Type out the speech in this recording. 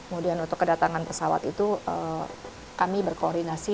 kemudian untuk kedatangan pesawat itu kami berkoordinasi